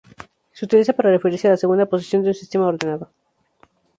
Se utiliza para referirse a la segunda posición de un sistema ordenado.